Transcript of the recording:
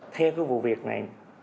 theo cái vụ việc này